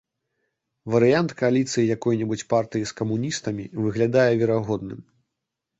Варыянт кааліцыі якой-небудзь партыі з камуністамі выглядае верагодным.